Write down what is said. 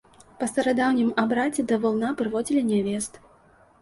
Па старадаўнім абрадзе да валуна прыводзілі нявест.